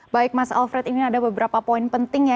baik mas alfred ini ada beberapa poin penting ya